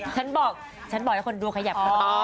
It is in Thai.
ฉันบอกฉันบ่อยให้คนดูขยับ